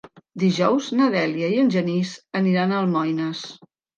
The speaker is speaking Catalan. Dijous na Dèlia i en Genís aniran a Almoines.